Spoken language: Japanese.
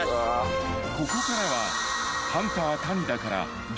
［ここからは］